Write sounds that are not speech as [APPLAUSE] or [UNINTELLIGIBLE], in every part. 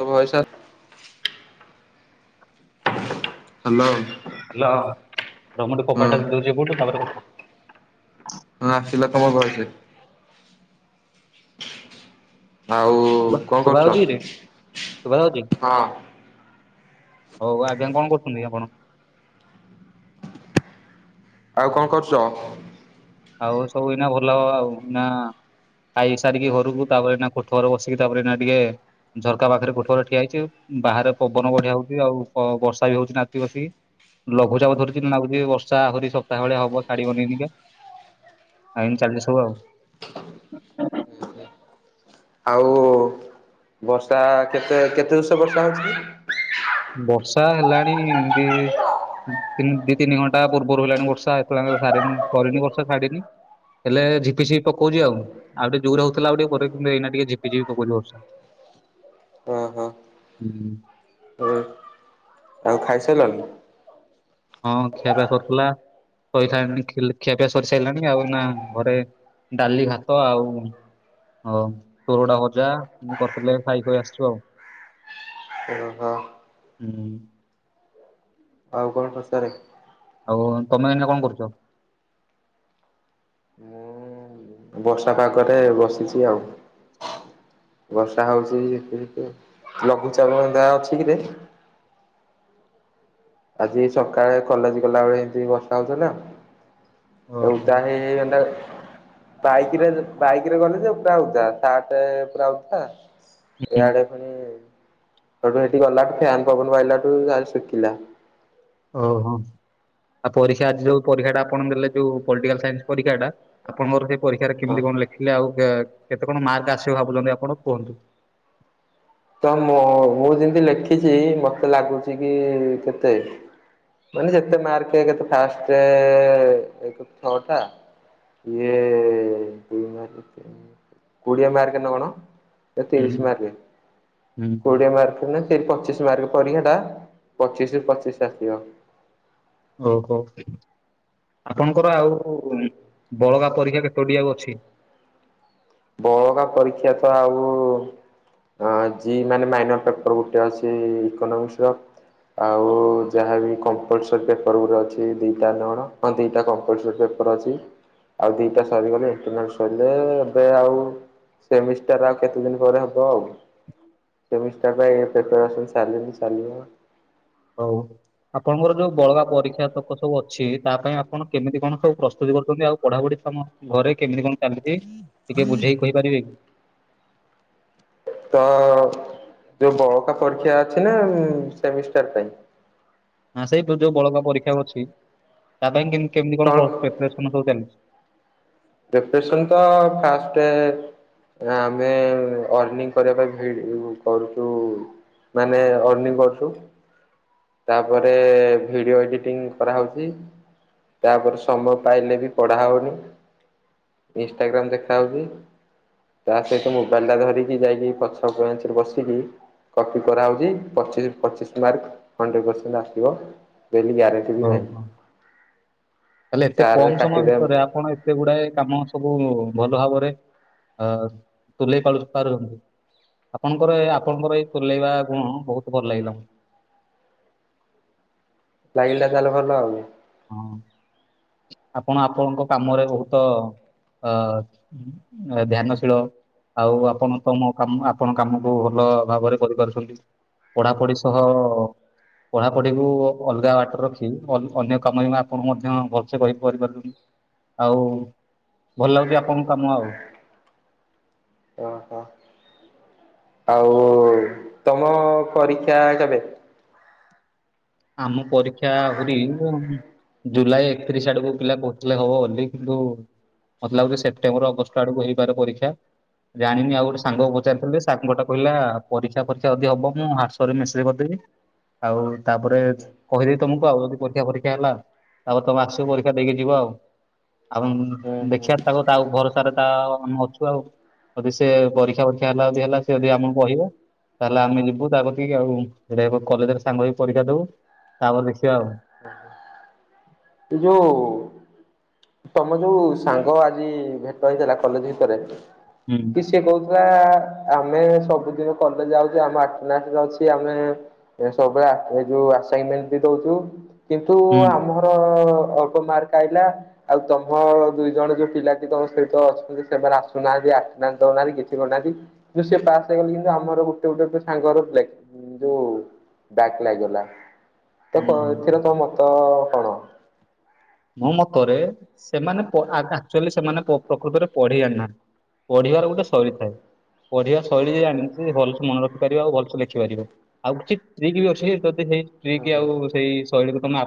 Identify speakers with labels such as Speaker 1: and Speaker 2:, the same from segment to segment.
Speaker 1: ତ voice hello
Speaker 2: ହେଲ ତୋମଟୁ କବାଟ
Speaker 1: ହଁ
Speaker 2: ଟା ଦେଇ ଦଉଚି ଏପଟୁ ତାପରେ
Speaker 1: ନା ଆସିଲା ତୋମ ଘରେ ସେ ଆଉ
Speaker 2: ଶୁଭ
Speaker 1: କଣ କରୁଛ?
Speaker 2: ଶୁଭାଯାଉଛି କିରେ, ଶୁଭା ଯାଉଚି?
Speaker 1: ହଁ
Speaker 2: ହଉ ଆଜ୍ଞା କଣ କରୁଛନ୍ତି କି ଆପଣ?
Speaker 1: ଆଉ କଣ କରୁଚ?
Speaker 2: ଆଉ ସବୁ ଏଇନା ଭଲ ହବ ଆଉ? ନା ଖାଇ ସାରିକି ଘରକୁ ତାପରେ ଏଇନା କୋଠଘର ବସିକି ତାପରେ ଟିକେ ଝରକା ପାଖରେ କୋଠଘରେ ଠିଆ ହେଇଛି। ବାହାରେ ପବନ ବଢିଆ ହଉଚି, ଆଉ ବର୍ଷା ବି ହଉଚି ନାଦୁଚି କସିକି। ଲଘୁଚାପ ଧରିଚି ଲାଗୁଚି ଏ ବର୍ଷା ଆହୁରି ସପ୍ତାହେ ଭଳିଆ ହବ ଛାଡିବନି ଏଇନିକା। ଆଉ ଏମିତି ଚାଲିଚି ସବୁ ଆଉ।
Speaker 1: ଆଉ ବର୍ଷା କେତେ କେତେ ଜୋରସେ ବର୍ଷା ହେଉଛି?
Speaker 2: ବର୍ଷା ହେଲାଣି ଏ ତିନି ଦି ତିନି ଘଣ୍ଟା ପୂର୍ବରୁ ହେଲାଣି ବର୍ଷା ଏତେଳାଙ୍କ ସାରେନି ସରଣି ବର୍ଷା ଛାଡେନି ହେଲେ ଝିପିଝିପି ପକଉଚି ଆଉ ଆଉଟିକେ ଜୋରେ ହଉଥିଲା ଆଉ ଟିକେ ପରେ କିନ୍ତୁ ଏଇନା ଟିକେ ଝିପିଝିପି ପକଉଛି ବର୍ଷା
Speaker 1: [UNINTELLIGIBLE] ହଁ
Speaker 2: ହୁଁ।
Speaker 1: ହୁଁ ଆଉ ଖାଇସାଇଲଣି?
Speaker 2: ହଁ ଖିଆପିଆ ସରିଥିଲା, ସଇସାଇଲାଣି ଖିଲି ଖିଆପିଆ ସରି ସାରିଲାଣି। ଆଉ ଏଇନା ଘରେ ଡାଲି, ଭାତ ଆଉ ହଁ [UNINTELLIGIBLE] ଏମତି କରିଥିଲେ ଖାଇ ଖୁଆ ଆସିଛୁ ଆଉ।
Speaker 1: [UNINTELLIGIBLE]
Speaker 2: ଉଁ ହୁଁ।
Speaker 1: [UNINTELLIGIBLE]
Speaker 2: ଆଉ ତୋମେ ଏଇନା କଣ କରୁଛ?
Speaker 1: ମୋ ମୁଁ ବର୍ଷା ପାଗରେ ବସିଛି ଆଉ। ବର୍ଷା ହଉଛି ଝିପି ଝିପି ଲଘୁଚାପ ହେନ୍ତା ଅଛି କି ରେ? ଆଜି ସକାଳେ କଲେଜ ଗଲାବେଳେ ଏମିତି ବର୍ଷା ହଉଥିଲା।
Speaker 2: ଓହୋ
Speaker 1: ଓଦା ହେଇ ହେଇ ବାଇକିରେ ଯେ ବାଇକିରେ ଗଲେ ଯେ ପୁରା ଓଦା ସାର୍ଟ ପୁରା ଉଦା
Speaker 2: ହୁଁ।
Speaker 1: ଇଆଡେ ଫୁଣି ହେଠୁ ଗଲା ଫ୍ୟାନ ପବନ ବାଜିଲାଠୁ ଯାହେଲେ ଶୁଖିଲା।
Speaker 2: ଓହୋ। ଆପ ପରୀକ୍ଷା ଆଜି ଯୋଉ ପରୀକ୍ଷା ଟା ଆପଣ ଦେଲେ ଯୋଉ ପଲିଟିକାଲ ସାଇନ୍ସ ପରୀକ୍ଷା ଟା ଆପଣଙ୍କର ସେ ପରୀକ୍ଷାରେ
Speaker 1: ହଁ।
Speaker 2: କେମିତି କଣ ଲେଖିଲେ ଆଉ କେ କେତେ କଣା ମାର୍କ ଆସିବ ଭାବୁଛନ୍ତି ଆପଣ କୁହନ୍ତୁ।
Speaker 1: ତ ମୁଁ ମୁଁ ଯେମିତି ଲେଖିଛି ମତେ ଲାଗୁଛି କି କେତେ ମାନେ ଯେତେ ମାର୍କ ଯେତେ ଫାଷ୍ଟ ଏକ ଛଅ ଟା। ଇଏ ଦୁଇ ମାସ କେତେ କୋଡିଆ ମାର୍କନା କଣ ଏ
Speaker 2: ହୁଁ
Speaker 1: ତିରିଶ ମାର୍କେ। କୋଡିଏ
Speaker 2: ହୁଁ
Speaker 1: ମାର୍କ ନୁହୁଁ ସେ ପଚିଶ ମାର୍କ ପରୀକ୍ଷା ଟା ପଚିଶ ରୁ ପଚିଶ ଆସିବ।
Speaker 2: ଓହୋ ଆପଣଙ୍କର ଆଉ ବଳଗା ପରୀକ୍ଷା କେତୋଟି ଆଉ ଅଛି।
Speaker 1: ବଳକା ପରୀକ୍ଷା ତ ଆଉ ଆଜି ମାନେ ମାଇନସ ପେପର ଗୁଟେ ଅଛି ଇକୋନୋମିକ୍ସ ର। ଆଉ ଯାହାବି କପ୍ଲୋସୋରି ପେପର ଗୋଟେ ଅଛି ଦିଟାନଅଣ ହଁ ଦିଟାତ କପ୍ଲୋସୋରି ପେପର ଅଛି। ଆଉ ଦିଟା ସରିଗଲେ ଇଣ୍ଟରନାଲ୍ ସରିଗଲା ତ ଆଉ ସେମିଷ୍ଟାର ଆଉ କେତେ ଦିନ ପରେ ହବ ଆଉ। ସେମିଷ୍ଟାର ଏଇ ଏତ ତ ଚାଲିଲାଣି ଚାଲିବ।
Speaker 2: ହଉ। ଆପଣଙ୍କର ଯୋଉ ବଳକା ପରୀକ୍ଷା ତକ ସବୁ ଅଛି ତା ପାଇଁ ଆପଣ କେମିତି କଣ ସବୁ ପ୍ରସ୍ତୁତି କରୁଛନ୍ତି ଆଉ ପଢାପଢି ସମୟ ଘରେ କେମିତି କଣ ଚାଲିଛି ଟିକେ ବୁଝେଇକି କହିପାରିବେ କି?
Speaker 1: ତ ଯୋଉ ବଳକା ପରୀକ୍ଷା ଅଛି ନା ଉଁ, ସେମିଷ୍ଟାର ପାଇଁ?
Speaker 2: ନା ସେଇ ଯୋଉ ବଳକା ପରୀକ୍ଷା ଆଉ ଅଛି ତା ପାଇଁ କେମ କେମିତି କଣ ପ-ପ୍ରିପାସନ ସବୁ ଚାଲିଛି?
Speaker 1: ପ୍ରିପେସନ ତ ଫାଷ୍ଟ ଆମେ ଅର୍ନିଂ କରିବା ପାଇଁ ଭିଡ କରୁଚୁ ମାନେ [UNINTELLIGIBLE] କରଚୁ ତାପରେ ଭିଡିଓ ଏଡିଟିଂ କରାହଉଚି। ତାପରେ ସମୟ ପାଇଲେ ବି ପଢା ହଉନି। ଇନ୍ଷ୍ଟା ଗ୍ରାମ ଦେଖା ହଉଚି। ତା ସହିତ ମୋବାଇଲ ଟା ଧରିକି, ଯାଇକି ପଛ ବେଞ୍ଚରେ ବସିକି କପି କରାହଉଚି ପଚିଶ ପଚିଶ ମାର୍କ ହଣ୍ଡଡ୍ରେଡ୍ ପସେଣ୍ଟ ଆସିବ। ବୋଲି ଗ୍ୟାରେଣ୍ଟି ବି ନାଇଁ।
Speaker 2: ହେଲେ ଏତେ କମ ସମୟ ଭିତରେ ଆପଣ ଏ ତେ ଗୁଡାଏ କାମ ସବୁ ଭଲ ଭାବରେ ଅ ତୁଲେଇ ପାରୁ ପାରନ୍ତୁ। ଆପଣଙ୍କର ଆପଣଙ୍କର ଏଇ ତୁଲେଇବା ଗୁଣ ବହୁତ ଭଲ ଲାଗିଲା।
Speaker 1: ଲାଗିଲା ତାହେଲେ ଭଲ ଆଉ।
Speaker 2: ହଁ ଆପଣ ଆପଣଙ୍କ କାମରେ ବହୁତ ଅ ଇ ଧ୍ୟାନଶୀଳ ଆଉ ଆପଣ ତମ କାମ ଆପଣ କାମକୁ ଭଲ ଭାବରେ କରିପାରୁଚନ୍ତି। ପଢାପଢି ସହ ପଢାପଢିକୁ ଅଲଗା ବାଟରେ ରଖି, ଅ- ଅନ୍ୟ [UNINTELLIGIBLE] ଆପଣଙ୍କୁ ମଧ୍ୟ ଭଲସେ କହି କରି ପାରିପାରୁନି ଆଉ ଭଲ ଲାଗୁଚି ଆପଣଙ୍କୁ କାମ ଆଉ।
Speaker 1: ଓ ହ। ଆଉ ତମ ପରୀକ୍ଷା କେବେ?
Speaker 2: ଆମ ପରୀକ୍ଷା ଆହୁରି ଜୁଲାଇ ଏକତିରିଶ ଆଡକୁ ପିଲା କହୁଥିଲେ ହବ ବୋଲି, କିନ୍ତୁ ମତେ ଲାଗୁଚି ସେପ୍ଟେମ୍ବର ଅଗଷ୍ଟ ଆଡକୁ ହେଇପାରେ ପରୀକ୍ଷା, ଜାଣିନି ଆଉ ସାଙ୍ଗକୁ ପଚାରୁଥିଲି ଯେ ସାଙ୍ଗ ଗୋଟା କହିଲା ପରୀକ୍ଷା [UNINTELLIGIBLE] ଯଦି ହବ ମୁଁ ହ୍ୱାଟ୍ସପରେ ମେସେଜ କରିଦେବି। ଆଉ ତାପରେ କହିବି ତମକୁ ଆଉ ଯଦି ପରୀକ୍ଷା ଫରୀକ୍ଷା ହେଲା, ତାପରେ ତମେ ଆସିବ ପରୀକ୍ଷା ଦେଇକି ଯିବ ଆଉ। ଆଉ
Speaker 1: ହୁଁ ହୁଁ
Speaker 2: ଦେଖିଆ ତାକୁ ତା ଭରସାରେ ତା ଆମେ ଅଛୁ ଆଉ। ଯଦି ସେ ପରୀକ୍ଷା ଫରୀକ୍ଷା ହେଲା ଯଦି ହେଲା, ସେ ଯଦି ଆମକୁ କହିବ। ତାହେଲେ ଆମେ ଯିବୁ ତା କତିକି ଆଉ, [UNINTELLIGIBLE] କଲେଜରେ ସାଙ୍ଗ ହେଇକି ପରୀକ୍ଷା ଦବୁ ତାପରେ ଦେଖିବା ଆଉ।
Speaker 1: ତୁ ଯୋଉ ତମ ଯୋଉ ସାଙ୍ଗ ଆଜି ଭେଟ ହେଇଥିଲା କଲେଜ ଭିତରେ,
Speaker 2: ହୁଁ
Speaker 1: କି ସିଏ କ ହିଲା ଆମେ ସବୁଦିନ କଲେଜ ଯାଉଚୁ ଆମେ ଆଣ୍ଟେନାସରେ ଅଛି। ଆମେ ଏ ସବୁବେଳେ ଏ ଯୋଉ ଆସାଇନ୍ ମେଣ୍ଟ ବି ଦଉଚୁ, କିନ୍ତୁ
Speaker 2: ହୁଁ
Speaker 1: ଆମ ଅ ଅଳ୍ପ ମାର୍କ ଆଇଲା। ଆଉ ତମ ଦୁଇ ଜଣ ଯୋଉ ପିଲା କି ତମ ସହିତ ଅଛନ୍ତି, ସେମାନେ ଆସୁନାହାନ୍ତି ଆଣ୍ଟେ ନାସ ଦଉହାନ୍ତି କିଛି କରୁନାହାନ୍ତି। କିନ୍ତୁ ସେ ପାସ୍ ହେଇଯାଉଚନ୍ତି, କିନ୍ତୁ ଆମର ଗୋଟେ ଗୋଟେ ସାଙ୍ଗର ବେକ୍ ଉଁ ଯୋଉ ବ୍ୟାକ୍ ଲାଗିଗଲା, ତ
Speaker 2: ହୁଁ
Speaker 1: ଏଥିରେ ତୋ ମତ କଣ?
Speaker 2: ମୋ ମତରେ ସେମାନେ ପ ଆକ୍ଚୁଆଲି ସେମାନେ ପ ପ୍ରକୃତରେ ପଢି ଜାଣିନାହାନ୍ତି। ପଢିବାର ଗୋଟେ ଶୈଳୀ ଥାଏ। ପଢ଼ିବା ଶୈଳୀ ଯେ ଜାଣିଚି, ଭଲସେ ମନେରଖିପାରିବା ଆଉ ଭଲସେ ଲେଖିପାରିବ। ଆଉ କିଛି ଟ୍ରିକ ବି ଅଛି, ଯଦି ସେ ଟ୍ରିକ ଆଉ
Speaker 1: ଓହୋ
Speaker 2: ସେଇ ଶୈଳୀ ତମେ ଆ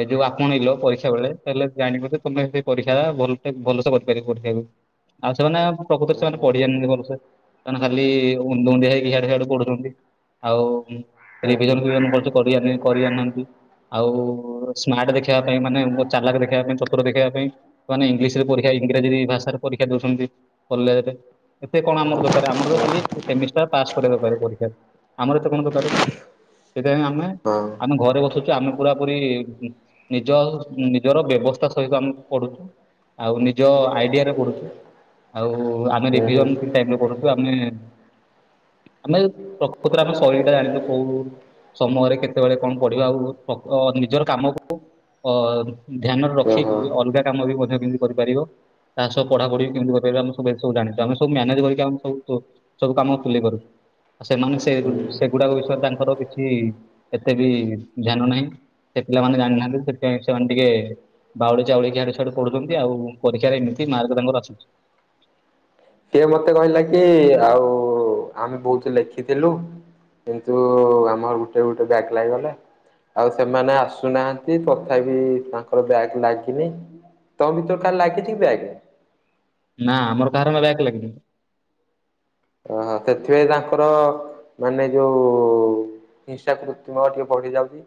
Speaker 2: ଏଇ ଯୋଉ ଆପଣଇଲ ପ ସେତେବେଳେ ତମେ ଜାଣିବ, ଯେ ତୁମେ ବି ପରୀକ୍ଷା ଭଲସେ ଭଲସେ କରିପାରିବ ପରୀକ୍ଷାକୁ। ଆଉ ସେମାନେ ପ୍ରକୃତରେ ସେମାନେ ପଢିଜାଣିନାନ୍ତି ଭଲସେ, ସେମାନେ ଖାଲିି [UNINTELLIGIBLE] ହେଇକି ଆଡେ ସାଡେ ପଢୁଚନ୍ତି। ଆଉ ରିଭିଜନ ଫିଭିଜନ ଭଲସେ କରିଆର ନାହିଁ। କରି ଜାଣିନାହାନ୍ତି, ଆଉ ସ୍ମାର୍ଟ ଦେଖେଇବା ପାଇଁ ମାନେ ଚାଲାକ ଦେଖେଇବା ପାଇଁ, ଚତୁର ଦେଖେଇବା ପାଇଁ ସେମାନେ ଇଂଲିଶରେ ପରୀକ୍ଷା ଇଂରାଜୀ ଭାଷାରେ ପରୀକ୍ଷା ଦଉଚନ୍ତି କଲଜେରେ। ଏତେ କଣ ଆମର ଦ ତ ଆମର ତ ଖାଲି ସେମିଷ୍ଟାର ପାସ୍ କରିବା ଦରକାର ପରୀକ୍ଷାରେ। ଆମର ଏତେ କଣ ଦରକାରେ, ସେଥିପାଇଁ ଆମେ
Speaker 1: ହଁ।
Speaker 2: ଆମେ ଘରେ ବସୁଚୁ, ଆମେ ପୁରା ପୁରି ନିଜ ନିଜର ବ୍ୟବସ୍ଥା ସହିତ ଆମେ ପଢୁଛୁ, ଆଉ ନି ନିଜ ଆଇଡିଆରେ ପଢୁଛୁ, ଆଉ ଆମେ ରିଭିଜନ ଠିକ୍ ଟାଇମରେ ପଢୁଛୁ। ଆମେ ଆମେ ପ୍ରକୃତରେ ଆମେ ଶୈଳୀ ଟା ଜାଣିଛୁ କୋଉ ସମୟରେ କେତେବେଳେ କଣ ପଢିବା ଆଉ ପ ନିଜର କାମକୁ ଅ ଧ୍ୟାନରେ ରଖିକି ଅଲଗା କାମ ବି ମଧ୍ୟ କେମିତି କରିପାରିବ ତା ସହ ପଢାପଢି ବି କେମତି କରିବ ଆମେବୁ ଏସବୁ ଜାଣିଚୁ ଆମେବୁ ମାନେଜ କରିକ ଆେମେ ସବୁ ସବୁ କାମ ତୁଲେଇ ପାରୁ ସେମାନେ ସେ ସେଗୁଡାକ ବିଷୟରେ ତାଙ୍କର କିଛି ଏତେ ବି ଧ୍ୟାନ ନାହିଁ ସେ ପିଲାମାନେ ଜାଣିନାହାନ୍ତି ସେ ସେମାନେ ଟିକେ ବାଉଳି ଚାଉଳିକି ଆଡେ ସାଡେ ପଢୁଛନ୍ତି ଆଉ ପରୀକ୍ଷାରେ ଏମିତି ମାର୍କ ତାଙ୍କର ଆସୁଛି
Speaker 1: କିଏ ମତେ କହିଲା କି ଆଉ ଆମେ ବହୁତ ଲେଖି ଥିଲୁ କିନ୍ତୁ ଆମର ଗୋଟେ ଗୋଟେ ବ୍ୟାକ୍ ଲାଗିଗଲା ଆଉ ସେମାନେ ଆସୁନାହାନ୍ତି ତଥାପି ତାଙ୍କର ବ୍ୟାକ୍ ଲାଗିନି ତମ ଭିତରୁ କାହାର ଲାଗିଛି କି ବ୍ୟାକ୍
Speaker 2: ନା ଆମର କାହାର ନା ବ୍ୟାକ୍ ଲାଗନି
Speaker 1: ଓହୋ ସେଥିପାଇଁ ତାଙ୍କର ମାନେ ଯୋଉ ହିଂସା କୃତ୍ରିମ ଟିକେ ବଢି ଯାଉଛି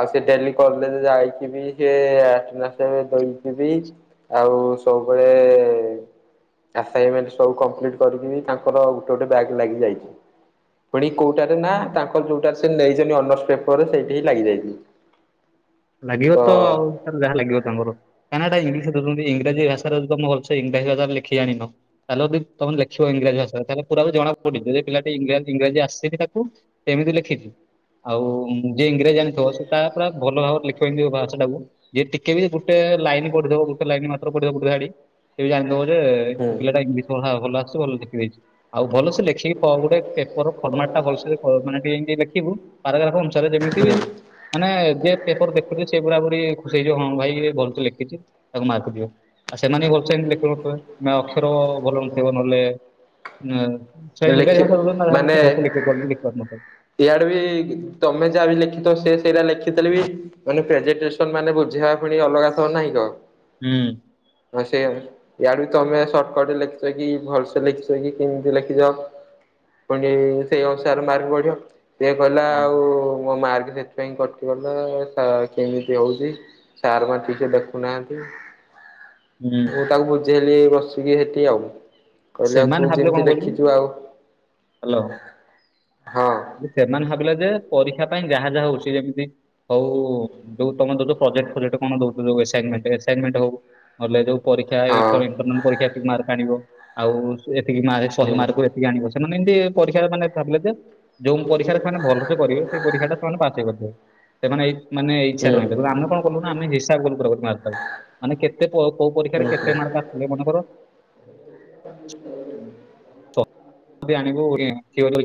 Speaker 1: ଆଉ ସେ ଡେଲି କଲେଜ ଯାଇକିବି ସିଏ ଆଟେନାସ୍ ଦେଇକିବି ଆଉ ସବୁବେଳେ ଆସାଇନମେଣ୍ଟ ସବୁ କମ୍ପ୍ଲିଟ୍ କରିକି ବି ତାଙ୍କର ଗୋଟେ ଗୋଟେ ବ୍ୟାଗ୍ ଲାଗି ଯାଇଛି ପୁଣି କୋଉଟାରେ ନା ତାଙ୍କର ଯୋଉଟାରେ ସେ ନେଇଛନ୍ତି ଅନର୍ସ ପେପରରେ ସେଇି ଟିହିଁ ଲାଗିଯାଇଛି
Speaker 2: ଲାଗିବ ତ ଆଉ ତାଙ୍କର ଯାହା ଲାଗିବ ତାଙ୍କର କାଁଇନା ତା ଇଂଲିଶରେ ଦୋଉଛନ୍ତି ଇଂରାଜୀ ଭାଷାରେ ଯଦି ତମେ ଭଲସେ ଇଂରାଜୀ ଭାଷାରେ ଲେଖିଯାଣିନ ତାହେଲେ ଯଦି ତମେ ଲେଖିବ ଇଂରାଜ ଭାଷାରେ ତାହେଲେ ପୁରା ବି ଜଣା ପଡିବ ଯେ ପିଲାଟି ଇଂରାଜୀ ଇଂରାଜୀ ଆସେନି ତାକୁ ଏମିତି ଲେଖିଛି ଆଉ ଯିଏ ଇଂରାଜୀ ଜାଣିଥିବ ସେ ତା ପୁରା ଭଲ ଭାବରେ ଲେଖିବ ଇଂରାଜୀ ଭାଷାଟାକୁ ଯିଏ ଟିକେ ବି ଗୋଟେ ଲାଇନ୍ ପଡିଦବ ଗୋଟେ ଲାଇନ ମାତ୍ର ପଡିଦବ ଗୋଟେ ଧାଢୀ ସେ ଜାଣିଦବ ଯେ
Speaker 1: ହୁଁ
Speaker 2: ସେ ପିଲାଟା ଇଂଲିସି ରେ ଭଲଆସୁଛି ଭଲଲେଖିଦେଇଛି ଆଉ ଭଲସେ ଲେଖିକି ପ ଗୋଟେ ପେପର ଫର୍ମାଟା ଭଲସେ ମାନେ ଟିକେ ଏମତି ଲେଖିବୁ ପାରାଗ୍ରାଫ ଅନୁସାରେ ଯେମିତି ମାନେ ଯେ ପେପର ଦେଖୁଛି ସେ ପୁରା ପୁରି ଖୁସି ହେଇଯିବ ହଁ ଭାଇ ଇଏ ଭୋଉତ୍ ଲେଖିଛି ତାକୁ ମାର୍କ ଦିଅ ଆଉ ସେମାନେ ବି ଭଲସେ ଏମିତି ଲେଖୁନଥିବେ ଅକ୍ଷର ଭଲ ନଥିବ ନହେଲେ ଉ
Speaker 1: ହୁଁ
Speaker 2: ଇଂରାଜୀ
Speaker 1: ଲେଖି
Speaker 2: ଭାଷା ଯଦି ନ ଭଲ
Speaker 1: ମାନେ
Speaker 2: ଥିବ ସେ ଜଲଦି ଲେଖୀପାରୁନଥିବେ
Speaker 1: ଇଆଡେ ବି ତମେ ଯାହା ବି ଲେଖିଥବ ସେ ସେଇରା ଲେଖିଥିଲେ ବି ମାନେ ପ୍ରେଜେନଟେସନ ମାନେ ବୁଝେଇବା ପୁଣି ଅଲଗା ଦବ ନାହିଁକ
Speaker 2: ହୁଁ
Speaker 1: ହଁ ସେୟାବା ୟାଢୁ ତମେ ସର୍ଟକଟ ରେ ଲେଖିଥିବ କି ଭଲସେ ଲେଖିଛି କି କେମିତି ଲେଖିଥିବ ପୁଣି ସେଇ ଅନୁସାରେ ମାର୍କ ବଢିବ ସେଏ କହିଲା ଆଉ ମୋ ମାର୍କ ସେ ସେତି ପାଇଁ କଟିଗଲା କେମିତି ହଉଛି ସାର୍ ମାନେ ଠିକ୍ ରେ ଦେଖୁନାହାନ୍ତି
Speaker 2: ହୁଁ
Speaker 1: ମୁଁ ତାକୁ ବୁଝେଇଲି ରହିଛି ହେଟି ଆଉ କହିଲେ ଆଉ
Speaker 2: ସେମାନେ
Speaker 1: ତୁ
Speaker 2: ଭାବିଲେ କଣ
Speaker 1: ଯେମିତି
Speaker 2: କହିଲୁ
Speaker 1: ଲେଖିଛୁ ଆଉ
Speaker 2: ହ୍ୟାଲୋ
Speaker 1: ହଁ
Speaker 2: ସେମାନେ ଭାବିଲେ ଯେ ପରୀକ୍ଷା ପାଇଁ ଯାହା ଯାହା ହଉଛି ଯେମିତି ହଉ ଯୋଉ ତମେତ ଗୋଟେ ପ୍ରୋଜେଟ୍ ପ୍ରୋଜେକ୍ଟ କଣ ଦଉଛନ୍ତି ଆସାଇନମେଣ୍ଟ ଆସାଇନମେଣ୍ଟ ହଉ ଯୋଉ ପରୀକ୍ଷା
Speaker 1: ହଁ
Speaker 2: ଏଇଥର ଇଣ୍ଟରନାଲ୍ ପରୀକ୍ଷା ଏତିକି ମାର୍କ ଆଣିବ ଆଉ ଏତିକି ମାର୍କ ସହେ
Speaker 1: ହୁଁ
Speaker 2: ମାର୍କରୁ ଏତିକି ଆଣିିବ ସେମାନେ ଏମିତି ପରୀକ୍ଷା ମାନେ ଭାବିଲେ ଯେ ଯୋଉ ପରୀକ୍ଷା ସେମାନେ ଭଲସେ କରିବେ, ସେଇ ପରୀକ୍ଷାଟା ସେମାନେ ପାସ ହେଇ କରିପାରିବେ। ସେମାନେ ଏଇ ମାନେ
Speaker 1: ହୁଁ
Speaker 2: ଇଚ୍ଛାରେ ରହିିବେ ଆମେ କଣ କଲୁ ନା ଆମେ ହିସାବ କରୁ ମାର୍କଟା ମାନେ କେତେ କୋଉ ପରୀକ୍ଷାରେ
Speaker 1: ହୁଁ
Speaker 2: କେତେ
Speaker 1: ହୁଁ
Speaker 2: ମାର୍କ ଆସିଲେ ମନେକର
Speaker 1: [INAUDIBLE]
Speaker 2: ଆଣିବୁ [INAUDIBLE] ଆଣିବୁ [INAUDIBLE] ଇଣ୍ଟରନାଲରେ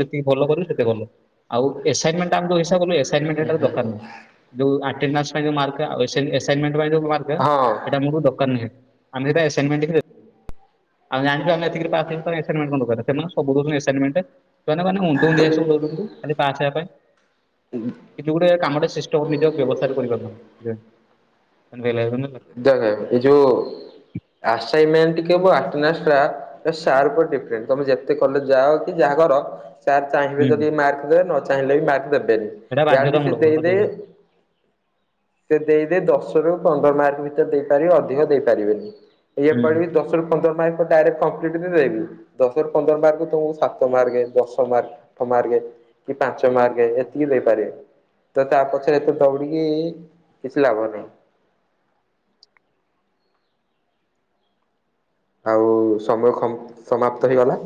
Speaker 2: ଯେତିକି ଭଲ କରିବୁ ସେତେ ଭଲ। ଆଉ ଏସାଇମେଣ୍ଟ ଏସାଇ ଏସାଇମେଣ୍ଟ
Speaker 1: ହୁଁ ହୁଁ
Speaker 2: ଦରକାର ନାହିଁ। ଯୋଉ ଆଟ୍ଟେନାନ୍ସ ପାଇଁ ଯୋଉ ମାର୍କ ଏସାଇମେଣ୍ଟ ଯୋଉ ମାର୍କ
Speaker 1: ହଁ
Speaker 2: ସେଟା ମୋର ଦରକାର ନୁହେଁ। ଆମେ ଆସାଇମେଣ୍ଟ ବି ଆମେ ଜାଣିଛୁ ଆମେ ଏତିକିରେ ପାସ୍ ହେବୁ ଆସାଇମେଣ୍ଟ୍ କଣ ଦରକାରେ ସେମାନେ ସବୁ ଦଉଛନ୍ତି ଆସାଇମେଣ୍ଟ୍। ସେମାନେ ଉନ୍ଦୁ ଉନ୍ଦିଆ ସବୁ ଦଉଛନ୍ତି ଖାଲି ପାସ୍ ହେବା ପାଇଁ। କିଛି ଗୋଟେ କାମଟା ସିଷ୍ଟ ନିଜକୁ ବ୍ୟବସ୍ତା କରିପାରୁନାହି। [UNINTELLIGIBLE]
Speaker 1: ଦେଖେ ଏଇ ଯୋଉ ଆସାଇମେଣ୍ଟ୍ ଆଟ୍ଟେନାନ୍ସଟା ଏ ସାର୍ ଉପରେ ଡିପେଣ୍ଟ୍ ତମେ ଯେତେ କଲେଜ୍ ଯାଅ କି ଯାହା କର ସାର୍ ଚାହିଁବେ
Speaker 2: ହୁଁ
Speaker 1: ଯଦି ମାର୍କ ଦେବେ, ନ ଚାହିଁଲେ ବି ମାର୍କ ଦେବେନି।
Speaker 2: ସେଇଟା
Speaker 1: ୟା ବି ସେ
Speaker 2: ବାଧ୍ୟତାମୂଳକ ସେଟା
Speaker 1: ଦେଇଦେ
Speaker 2: ଦେବେ
Speaker 1: ସେ ଦେଇ ଦେଇେ ଦଶରୁ ପନ୍ଦର ମାର୍କ ଭିତରେ ଦେଇପାରିବେ ଅଧିକ ଦେଇପାରିବେନି। ଇଏ
Speaker 2: ହୁଁ।
Speaker 1: ପଡ଼ିକି ଦଶରୁ ପନ୍ଦର ମାର୍କ୍ ଡାଇରେକ୍ଟ କମ୍ଫିଟ୍ ଦେଇଦେବାକି ଦଶରୁ ପନ୍ଦର ମାର୍କ ତମକୁ ସାତ ମାର୍କ ଦଶ ମାର୍କ ଆଠ ମାର୍କେ କି ପାଞ୍ଚ ମାର୍କେ ଏତିକି ଦେଇପାରିବେ। ତ ତା ପଛରେ ଏତେ ଦୌଡ଼ିକି କିଛି ଲାଭ ନାହିଁ। ଆଉ ସମୟ ଖମ୍ ସମାପ୍ତ ହେଇଗଲା।